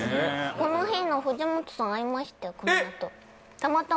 この日の藤本さん会いましたよ